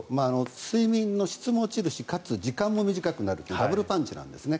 睡眠の質も落ちるしかつ時間も短くなるというダブルパンチなんですね。